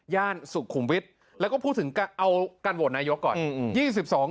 ย่านสุขุมวิทย์แล้วก็พูดถึงเอาการโหวตนายกก่อนอืม